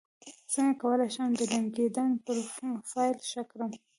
څنګه کولی شم د لینکیډن پروفایل ښه کړم